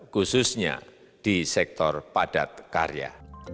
khususnya di sektor padat karya